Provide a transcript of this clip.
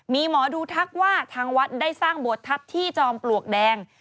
มีหมอดูทักว่าทางวัดได้สร้างโบสถทัพที่จอมปลวกแดง